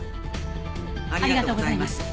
ありがとうございます。